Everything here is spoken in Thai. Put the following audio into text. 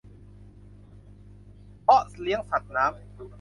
เพาะเลี้ยงสัตว์น้ำ